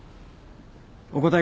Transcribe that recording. お答え